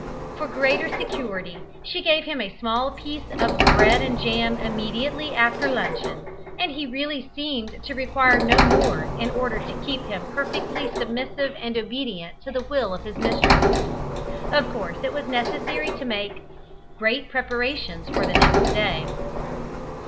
For greater security, she gave him a small piece of bread and jam immediately after luncheon, and he really seemed to require no more in order to keep him perfectly submissive and obedient to the will of his mistress. Of course it was necessary to make great preparations for the next day.